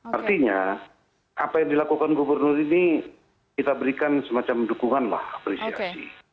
artinya apa yang dilakukan gubernur ini kita berikan semacam dukungan lah apresiasi